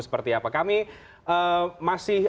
seperti apa kami masih